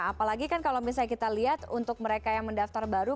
apalagi kan kalau misalnya kita lihat untuk mereka yang mendaftar baru